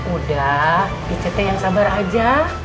udah ict yang sabar aja